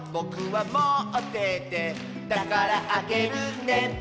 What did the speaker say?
「だからあげるね」